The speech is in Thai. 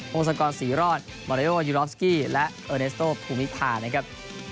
งศกรศรีรอดมาเรโอยูรอฟสกี้และเออเนสโต้ภูมิธานะครับ